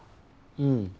うん。